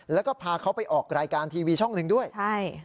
แล้วก็พาเขาไปออกรายการทีวีช่องหนึ่งด้วยใช่